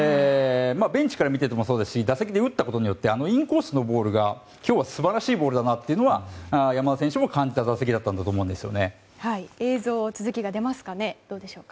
ベンチから見ていてもそうですし打席で打ったことによってインコースのボールが今日は素晴らしいボールだなと山田選手も感じた打席だと思います。